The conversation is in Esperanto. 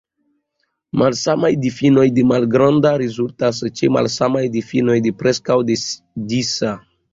Malsamaj difinoj de "malgranda" rezultas ĉe malsamaj difinoj de "preskaŭ disa".